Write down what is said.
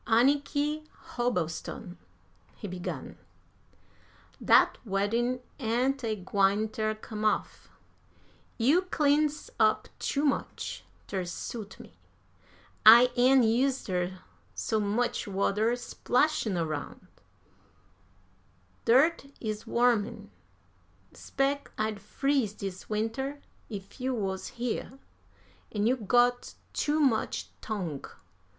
"Anniky Hobbleston," he began, "dat weddin' ain't a gwine ter come off. You cleans up too much ter suit me. I ain't used ter so much water splashin' aroun'. Dirt is warmin'. 'Spec I'd freeze dis winter if you wuz here. An' you got too much tongue.